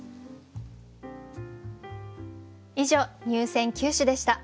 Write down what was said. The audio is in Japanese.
以上入選九首でした。